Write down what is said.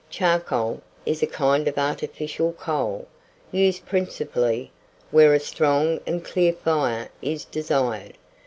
Charcoal is a kind of artificial coal, used principally where a strong and clear fire is desired.